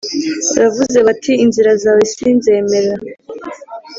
baravuze bati inzira zawe si nzemera